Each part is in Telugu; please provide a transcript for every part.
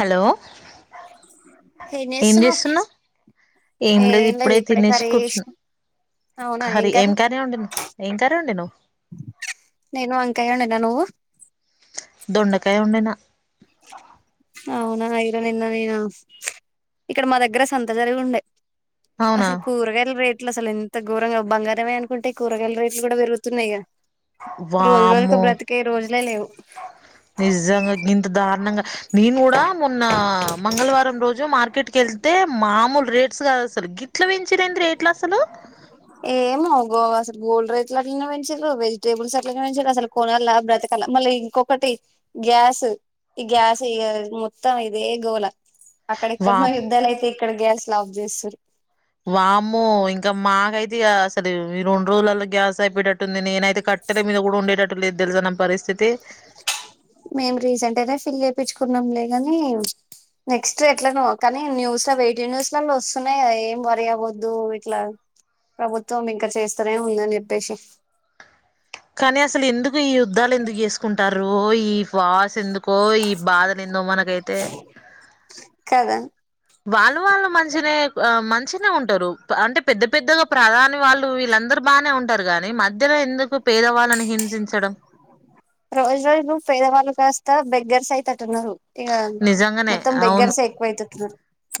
హలో ఏం ఎంజెసున్నావ్ చేస్తున్నావ్ ఏం లేదు ఇప్పుడే తినేసి కూర్చున్న కర్రీ ఏం కర్రీ వండినావ్ ఏం కర్రీ వండినవ్ నేను వంకాయి ఒండిన దొండకాయ వండినా అవునా ఇరో నిన్న నేను ఇక్కడ మా దగ్గర సంత జరిగి ఉండే అవునా అసలు కూరగాల్ రేట్ అట్లా అసలు ఎంత ఘోరంగా బంగారమే అనుకుంటే కూరగాయలు రేట్లు కూడా పెరుగుతున్నాయ్ గ రోజు రోజుకు వామ్మో బ్రతికే రోజులే లేవు నిజంగా గింత దారుణంగా నేను కూడా మొన్న మంగళవారం రోజు మార్కెట్ కి వెళ్తే మామూలు రేట్స్ కాదు అసలు గిట్ల పెంచుడేంది రేట్లు అసలు ఏమో గో అసలు గోల్డ్ రైట్లు అన్ని పెంచిండ్రు వెజిటేబుల్స్ అట్లనే పెంచిండ్రు అసలు కొనాల బ్రతకా ల మళ్ళ ఇంకొకటి గ్యాస్ ఈ గ్యాస్ ఇ మొత్తం ఇదే గోల వా అక్కడెక్కడనో యుద్ధాలు అయితే ఇక్కడ గ్యాస్ లాఫ్ చేస్రూ వామ్ము ఇంకా మాకైతే ఇక అసలు ఈ రెండు రోజులలో గ్యాస్ అయిపోట్టట్ టుంది నేనైతే కట్టెల మీద కూడా ఉండేటట్టు లేదు తెలుసా నా పరిస్థితి మేం రీసెంట్ గానే ఫిల్ చేపించుకున్నాంలేగాని నెక్స్ట్ ఎట్ల నో కానీ న్యూస్ లో వెయిటి న్యూస్ లో వస్తున్నాయ్ కదా ఏం వరీ అవద్దు ఇట్లా ప్రభుత్వం ఇంకా చేస్తనే ఉందని చెప్పేసి కానీ అసలు ఎందుకు ఈ యుద్ధాలు ఎందుకు చేసుకుంటార్ ఒ ఈ వాస్ ఎందుకో ఈ బాధలు ఎందో మనకైతే స కదా వాళ్ళు వాళ్ళు మంచినే మంచినే ఉంటారు అంటే పెద్ద పెద్దగా ప్రధాని వాళ్ లు వీళ్ళందరూ బానే ఉంటారు గాని మధ్యలో ఎందుకు పేదవాళ్ళని హింసించడం రోజు రోజు కు పేదవాళ్ళు కాస్త బెగ్గర్స్ అయ్ తట్టున్నారు ఇగ నిజంగానే మొత్తం అవును బెగ్గర్స్ ఏ ఎక్కువ అయ్తుండ్రు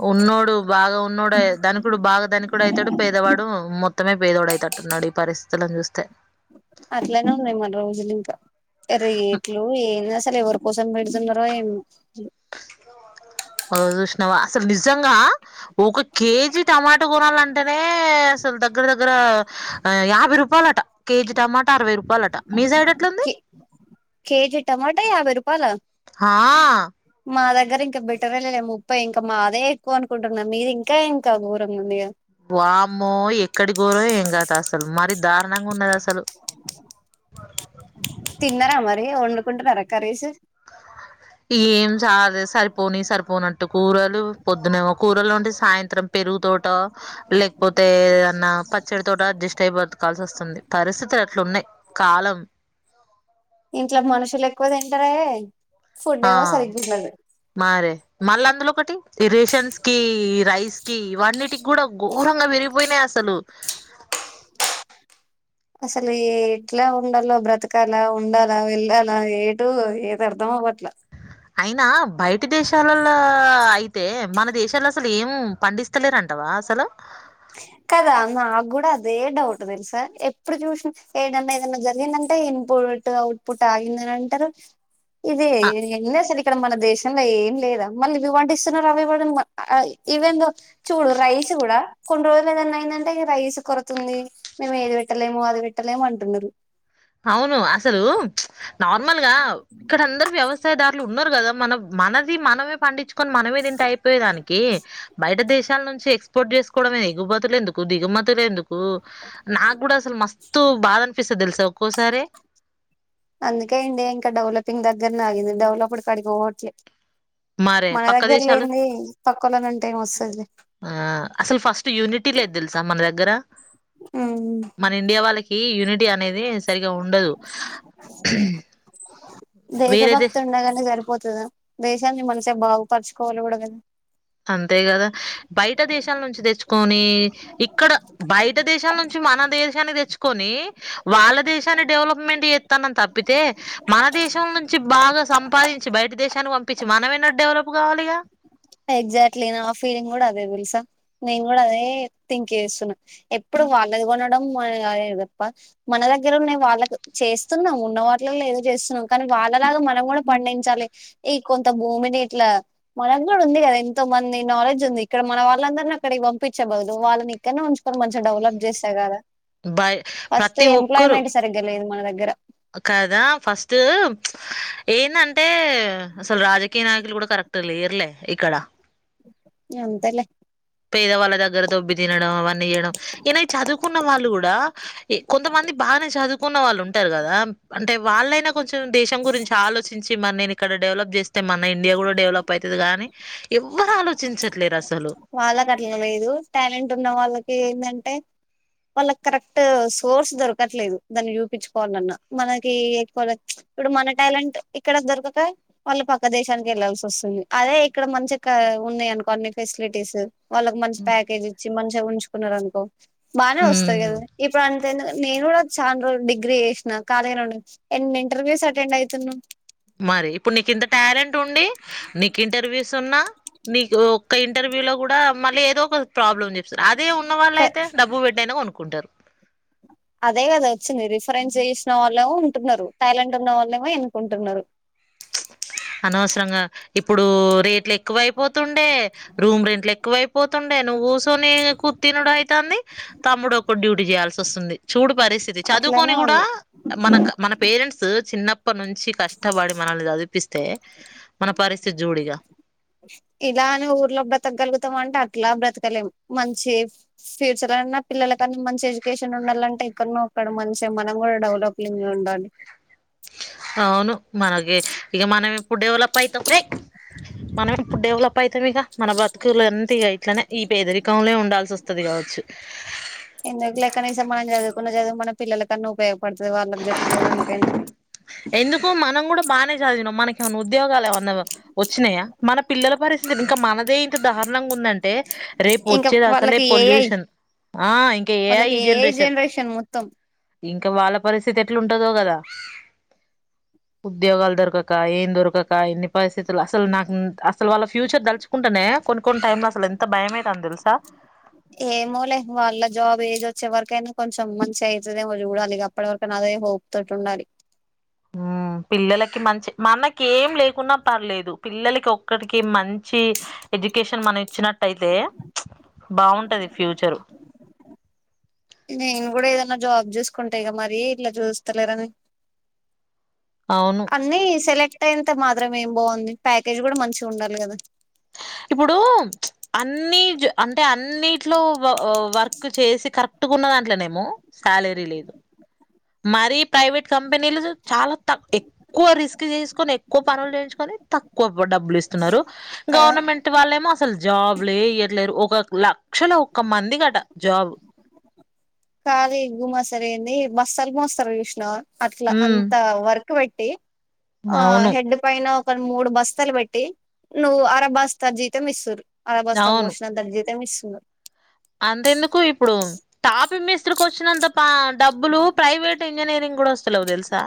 ఉన్నోడు బాగా ఉన్నోడే ధనికుడు బాగా ధనికుడు అయ్ తాడు పేదవాడు మొత్ త్తమే పేదోడయ్తట్టున్నాడు ఈ పరిస్థితులను చూస్తే అట్లనే ఉన్నాయి మన రోజులు ఇంకా ఎ రేట్లు ఎందసలు ఎవరు కోసం బెడ్తున్నరో ఏమో ఉ అ జుస్నావ అసలు నిజంగా ఒక కేజీ టమాటా గోణాల అంటేనే అసలు దగ్గర దగ్గర యాభై రూపాయలట కేజీ టమాటా అరవై రూపాయ వాలట మీ సైడ్ ఎట్లుంది కే కేజీ టమాటా యాభై రూపాల ఆ మా దగ్ గ్గర ఇంకా బెటరే లే ముప్పై ఇంకా మాదే ఎక్కువ అనుకుంటున్నా మీది ఇంకా ఇంకా ఘోరంగా ఉందిగా వామ్మో ఎక్కడి ఘోరం ఏం కథ అసలు మరి దారుణంగా ఉన్నది అసలు తిన్నారా మరి వండుకుంటున్నారా కర్రీస్ ఏం సాధిస్ సరిపోని సరిపోనట్టు కూరలు పొద్దునేమో కూరలు వండి సాయంత్రం పెరుగు తోటో లే పోతే ఏదన్నా పచ్చడి తోటో అడ్జస్ట్ అయి బతకాల్సి వస్తుంది పరిస్థితులు అట్లున్నాయి్ కాలం ఇంట్లో మనుషులు ఎక్కువ తింటరే ఆ మరే మళ్ళ అందులో ఒకటి ఈ రేషన్స్ కి రైస్ కి ఇవన్నిటికి కూడా ఘోరంగా పెరిగిపోయినాయి అసలు అసలు ఎట్లా ఉంలో బ్రతకాల ఉండాలా వెళ్ళాలా ఏటు ఏది అర్ధం అవ్వట్లా అయినా బయటి దేశాలలో అయితే మన దేశాలు అసలు ఏం పండిస్తలేరంటవా వా అ సలు కదా నాకు కూడా అదే డౌట్ తెలుసా ఎప్పుడు చూసిన ఏడన్నా ఏదన్నా జరిగంద టె ఇన్పుట్ అఔట్పుట్ ఆగింద అంటారు ఇదే ఎన్న సార్ ఇక్కడ మన దేశ అసలో ఏం లేదా మళ్ళీ ఇవి వండిస్తున్నారు అవి ఇవ ఇవెన్ దో చూడు రైస్ కూడా కొన్ని రోజులు ఏదన్నాఅ యిందంటే రైస్ కొరత ఉంది మేము ఏది పెట్టలేము అది పెట్టలేము అంటున్నారు అవును అసలు నార్మల్ గా ఇక్కడందరు వ్యవస్సాయ దా ఇట్లా ఉన్నారు కదా మన మనది మనమే పండించుకొని మనమే తింటే అయిపోయే దానికి బయట దేశ శాలనుంచి నుంచి ఎక్స్పోర్ట్ చేసుకోవమే ఎగుమతులు ఎందుకు దిగుమతులు ఎందుకు నాకు కూడా అసలు మస్తు బాధ అనిపిస్తే తెలుసా ఒక్కోసారి అందుకే ఇండియా ఇంకా డెవలపింగ్ దగ్గనె ఆగింది డెవలప్డ్ కాడిగ పొవట్లే మరే మన పక్క దగ్గర దేశాలు లేని పక్కలనంటే ఏం వస్తుంది ఆ అసలు ఫస్ట్ యూనిటీ లేదు తెలుసా మన దగ్గర మన ఇండియా వాళ్ళకి కి యూనిటీ అనేది సరిగా ఉండదు వేరే దేశ దేశభక్తి ఉండగానే సరిపోతుందా దేశాన్ని మనసే బాగుపరచుకోవాలి కూడా కదా అంతే కదా బయట దేశాల నుంచి తెచ్చుకొని ఇక్కడ బయట దేశాల నుంచి మనదేశనే తెచ్చు కోని వాళ్ళ దేశాన్ని డెవలప్మెంట్ చేస్తానని తప్పితే మన దేశం నుంచి బాగా సంపాదించి బయట దేశానికి పంపించి మనం ఏన్నట్ డెవలప్ కావాలిగా ఎగ్జాక్ట్లీ నా ఫీలింగ్ కూడా అదే పులుసా నేను కూడా అదే థింక్ చేస్తున్నా ఎప్పుడు వాళ్ళది కొండడం గప్ప మన దగ్గరే వాళ్ళ చేస్తున్నాం ఉన్న వాటిలలో చేస్తున్నాం కానీ వాళ్ళలాగా మనం కూడా పండించాలి ఈ కొంత భూమిని ఇట్లా మన కూడా ఉంది కదా ఎంతో మంది నాలెడ్జ్ ఉంది ఇక్కడ మన వాళ్ళందరిని అక్కడ పంపించె బదులు వాళ్ళని ఇక్కడనే ఉంచుకొని మంచి డెవలప్ చేసా కదా బయ ఫస్ట్ ఎంప్లాయ్మెంట్ సరిగ్గా లేదు మన దగ్గర కాదా ఫస్ట్ ఏనంత అంటే అసలు రాజకీయ నాయకులు కూడా కరెక్ట్ లే ఇర్లే ఇక్కడ అంతలే పేద వాళ్ళ దగ్గర దొబ్బి తినడం అవన్నీ చేయడం ఇలావి చదువుకున్న వాళ్ళు కూడా కొంతమంది మంది బానే చదువు కున్న వాళ్ళు ఉంటారు కదా అంటే వాళ్ళైనా కొంచెం దేశం గురించి ఆలోచించి మరి నేను ఇక్కడ డెవలప్ చేస్త అయితే మన ఇండియా కూడా డెవలప్ అవుతుది కాని ఎవరు ఆలోచించట్లేరు అసలు వాళ్లకు అట్లా లేదు టాలెంట్ ఉన్న వాళ్ళకి ఏందంటే వాళ్ళ కరెక్ట్ సోర్స్ దొరకట్లేదు దాన్ని చూపించుకోవాలన్నా మనకి ఎక్కువ ఇప్పుడు మన టాలెంట్ ఇక్కడ దొరకక వాళ్ళు పక్క దేశానికి వెళ్ళాల్సి వస్తుంది అదే ఇక్కడ మంచి ఉన్నాయి అనుకో అన్ని ఫెసిలిటీస్ వాళ్ళకి మంచి ప్యాకేజ్ ఇచ్చి మంచిగా ఉంచుకున్నారు అనుకో బానే వస్తాయి ఉమ్ కదా ఇప్పుడు అంత ఎందుకు నేన్ కూడా చాన రోజు డిగ్రీ చెసినా ఖాళీగానే ఉన్న ఎన్ని ఇంటర్వ్యూస్ అటెండ్ అవుతున్నా మరి ఇప్పుడు నీకు ఇంత టాలెంట్ ఉండి నీకు ఇంటర్వ్యూస్ ఉన్నా మీకు ఒక్క ఇంటర్వ్యూ లో కూడా మళ్ళీ ఏదో ఒక ప్రాబ్లమ్ ఉంది అదే ఉన్న వాళ్ళ అయితే డబ్బు పెట్టి అయినా కొనుకుంటారు అదే కదా వచ్చింది రిఫరెన్స్ చేసిన వాళ్ళేమో ఉంటున్నారు టాలెంట్ ఉన్న వాళ్ళేమో వెనుకుంటున్నారు అనవసరంగా ఇప్పుడు రేట్ల ఎ ఎక్కువైపోతుండే రూమ్ రెంట్లు ఎక్కువైపోతుండే నువ్వు కూర్చొని కుర్ తినుడు అయితు అంది తమ్ముడు ఒక డ్యూటీ చేయాల్సి వస్తుంది చూడు పరిస్థితి చదువుకొని అట్లనే కూడా ఉంది మన మన పేరెంట్స్ చిన్నప్ప నుంచి కష్టపడి చదిపిస్తే మన పరిస్థితి జూడిగా ఇలా అని ఊర్లో బ్రతకగలుగుతాం అంటే అట్లా బ్రతకలేం మంచి ఫ్యూచర్ న్నా పిల్లలకన్నా మంచి ఎడ్యుకేషన్ ఉండాలంటే ఇక్కడనో అక్కడ మంచిగా మనం కూడా డెవలప్ంగ్ ఉండాలి అవును మనగ ఇక మనవి ఇప్పుడు డెవలప్ అయిత ఫ రే మనం ఎప్పుడు డెవలప్ పయితంక మన బతుకులన్న ఇట్లనే ఈ పేదరికంలో ఉండాల్సి వస్తుంది కావచ్చు ఎందుకు లె కనీస మనం చదువుకున్న చదువు మన పిల్లలకన్నా ఉపయోగపడుతుంది వాళ్ళకి చెప్పుకోవడానికైనా ఎందుకు మనం కూడా బానే చదివినాం మనక ఏమన్నా ఉద్యోగాలు ఏమన్నా వచ్చినాయా మన పిల్లల పరిస్థితి ఇంకా మనదే ఇంత దారుణంగా ఉందంటే రేపు ఇంకా వచ్చేది అసలే వాళ్ళకి ఏఐ పొల్యూషన్ ఆ ఇంకా ఏ ఐ వాళ్ళకి ఏఐ జెనరేషన్ జనరేషన్ మొత్తం ఇంకా వాళ్ళ పరిస్థితి ఎట్లా ఉంటదో కదా ఉద్యోగాలు దొరకక ఏం దొరకక ఇన్ని పరిస్థితులు అసలు నాకు అసలు వాళ్ళ ఫ్యూచర్ తలుచుకుంటానే కొను కొ టైమ్ లో అసలు ఎంత భయం అయితందో తెలుస ఏమో లే వాళ్ళ జాబ్ ఏజ్ వచ్చే వరకైనా కొంచెం మంచి అవుతుద ఏమో చూడాలి ఇక అప్పటి వరకు హోప్ తోటి ఉండాలి ఆ పిల్లలకి మంచి మనకి ఏం లేకున్నా పర్లేదు పిల్లలకి ఒక్కటికి మంచి ఎడ్యుకేషన్ మనం ఇచ్చినట్లు అయితే బాగుంటది ఫ్యూచరు నేను కూడా ఏదనా జాబ్ చేసుకుంటాయి క మరి ఇట్లా చూస్తలేరని అవును. అన్ని సెలక్ట్ అంత ఇంత మాత్రం ఏం బాగుంది ప్యాకేజ్ కూడా మంచి ఉండాలి కదా ఇప్పుడు అన్ని అంటే అన్నిట్లో వర్క్ చేసి కరెక్ట్ చకున్న దాంట్లోనేమ శాలరీ లేదు మరి ప్రైవట్ కంపెనీలు చాల త ఎక్కువ రిస్క్ చేసుకొని ఎక్కువ పనులు చేయించుకొని తక్కువ డబ్బులు ఇస్తున్నారు కదా గవర్నమెంట్ వాళ్ళేమో అసలు జాబ్లే ఇవ్వ ఒక లక్షలో ఒక్క మందికి అంట జాబ్ కాదీ గుమస్తలు అన్ది బస్సాలు మోస్తారు చూసినవా అట్లా హ్మ్. అంత వర్ వర్క్ పెట్టి ఆ అవును. హెడ్ పైన మూడు బస్తాలు పెట్టి నువ్వు అరబస్తర్ జీత మిస్తురు అరబస్తా అవును. మోషన్ ద తమి స్తున్న అంతెందుకు ఇప్పుడు తాపి మిస్త్రికి వచ్చినంత పా డబ్బులు ప్రైవేట్ ఇంజనీరింగ్ గూడా వస్తలేవు తెలుసా?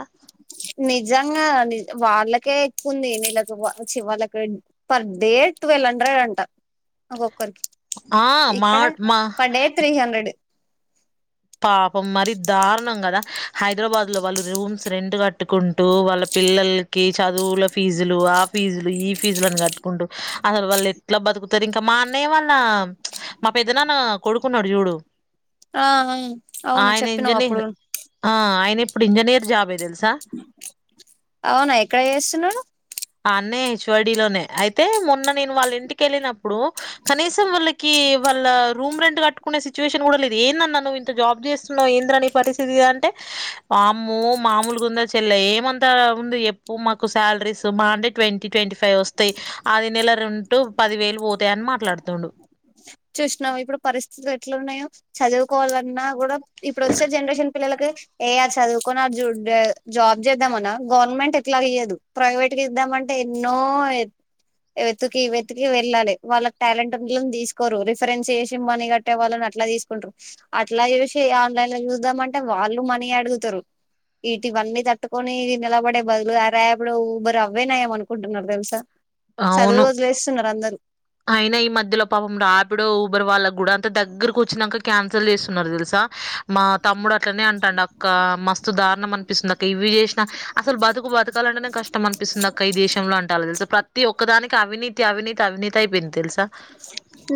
నిజంగా ని వాళ్ళకే ఉంది నీళ్ళకు చి వాళకి పర్ డే ట్వెల్వ్ హండ్రెడ్ అంటారు ఒక్కొక్కరికి ఆ! మా ఇక్కడ మా పర్ డే త్రీ హండ్రెడ్ పాపం మరి దారుణం కదా హైదరాబాద్ లో వాళ్ళు రూమ్స్ రెంట్ కట్టుకుంటూ వాళ్ళ పిల్లలకి చదువుల ఫీజులు ఆ ఫీజులు ఈ ఫీజులను కట్టుకుంటూ అస వాల్ళ ఎట్లా బతుకు ఇంకా మా అన్నయ్య వాళ్ళ మా పెద్ద నాన్న కొడుకున్నాడు చూడు ఆ అవును ఆయన చెప్పినావు ఇంజనీర్ అప్పుడు ఆ ఆయన ఇప్పుడు ఇంజనీర్ జాబ్ ఏ తెలు అవునా ఎక్కడ చేస్తున్నాడు అన్న హెచ్వైడిీ లోనే అయితే మొన్న నేను వాళ్ళ ఇంటికి వెళ్ళినప్పుడు కనీసం వాళ్ళకి వాళ్ళ రూమ్ రెంట్ కట్టుకునే సిచువేషన్ కూడా లేదు ఏంది అన్న జాబ్ చేస్తున్నావు ఏంద్రని పరిస్థితి అంటే మా అమ్మ మామూలు గుంద చెల్ల ఏమంతా ఎప్పు మాకు శాలరీస్ మహా అంటే ట్వంటీ ట్వంటీ ఫైవ్ వస్తాయి ఆది నెల రెండు పదివే పోతే అని మాట్లాడుతుండు చూసినావార్ ఇప్పుడు పరిస్థితులు ఎట్లు ఉన్నాయో చదువుకోవాలన్నా కూడా ఇప్పుడు వచ్చే జనరేషన్ పిల్లలకి ఏ ఆ చదువుకున్నా జాబ్ చేద్దామన్నా గవర్నమెంట్ ఎట్లా ఇయదు ప్రైవేట్ ద్దామంటే ఎన్నో ఎ వెతుకి ఈ వెతికి వెళ్ళాలి వాళ్ళకి టాలెంట్ తీసుకు రు రిఫరెన్స్ చేసి మనీ కట్టే వాళ్ళని అట్లా తీసుకుంటారు అట్లా చేసి ఆన్లైన్ లో చూద్దాంమంటే వాళ్ళు మనీ అడుగుతారు ఇీటివన్నీ తట్టుకొని నిలబడే బదులు రాేపుడు ఊబరు అవ్వేనాయము అనుకుంటున్నారు తెలుసా అవును చదువు వదిలేస్తున్నారు అందరు అయినా ఈ మధ్యలో పాప రాపిడో ఊబర్ వాళ్ళకు కూడా అంత దగ్గరకు వచ్చినాక క్యాన్సల్ చేస్తున్నారు తెలుసా మా తమ్ముడు అట్లా అంటున్నాడు అక్కా మస్తు దారుణం అనిపిస్తుంది అ ఇవి చేసినా అస బతుకు బతకాలంటేనే కష్టం అనిపిస్తుంది అక్క ఈ దేశంలో అంటాల తెలుస ప్రతి ది ఒక్కదానికి అవినీతి అవినీతి అవినీతి అయిపోయింది తెలుసా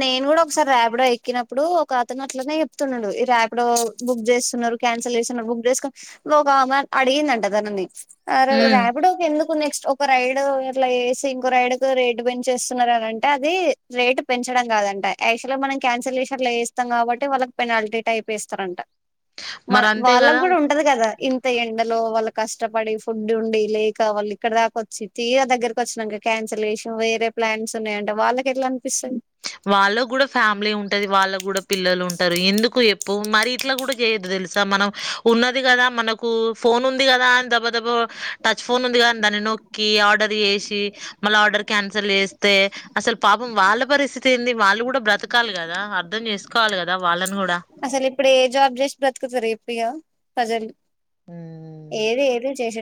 నేను కూడా ఒకసారి ర్యాపిడో ఎక్కినప్పుడు ఒక అతను అట్లనే చెప్తున్నాడు ఈ రాపిడో బుక్ చేస్తున్నారు క్యాన్సిల్ చేస్తున్నారు బుక్ చేసుకోని ఒకామె అడిగిందంట తననీ ఆ రా ఉమ్, రాపిడోకెందుకు నెక్స్ట్ ఒక రైడు అట్లా ఏసి ఇంకో రైడ్కు రేట్ పెంచేస్తున్నారు అనంటే అది రేటు పెంచడం కాదంట యాక్చుల్గా మనం క్యాన్సల్ చేషి అట్లా చేస్తాం కాబట్టి వాళ్ళకి పెనాల్టీ టైప్ ఏస్తారంట మా మరి అంతే వాళ్ళకి కదా కూడా ఉంటది కదా ఇం ఇంతా ఎండలో వాళ్ళు కష్టపడి ఫుడ్ ఉండి లేక వాళ్ళు ఇక్కడ దాకా వచ్చి తీరా దగ్గరకి వచ్చినంక క్యాన్ కాన్సిల్ చేసి వేరే ప్లాన్స్ ఉన్నాయి అంటే వాళ్ళకి ఎట్లా అనిపిస్తది వాళ్ళ కూడా ఫ్యామిలీ ఉంటది వాళ్ళ కూడా పిల్లలు ఉంటారు ఎందుకు ఏప్ ప్పు మరి ఇట్లా కూడా చేయొద్దు తెలుసా మనం ఉన్న ది కదా మనకు ఫోన్ ఉంది కదా అని దబదబ టచ్ ఫోన్ ఉంది కద అని దాన్ని నొక్కి ఆర్డర్ చేసి మల్ల ఆర్డర్ కాన్సిల్ చేస్తే అసల్ పాపం వాళ్ళ పరి తెయ్యింది వాళ్ళు కూడా బ్రతకాలి కదా అర్ధం చేసుకోవాలి కదా వాళ్ళని కూడా అసలు ఇప్పుడు ఏ జాబ్ చేసి బ్రతుకుతరు చెప్పు ఇగ ప్రజలు ఉమ్ ఏది ఏది చేసే